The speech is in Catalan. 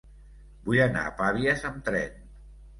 Vull anar a Pavies amb tren.